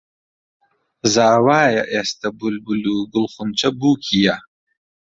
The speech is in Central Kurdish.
زاوایە ئێستە بولبول و گوڵخونچە بووکییە